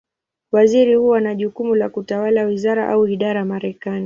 Waziri huwa na jukumu la kutawala wizara, au idara Marekani.